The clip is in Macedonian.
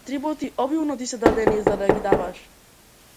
Атрибути обилно ти се дадени за да ги даваш!